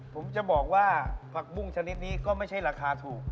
ผมจะบอกว่าผักบุ้งชนิดนี้ก็ไม่ใช่ราคาถูก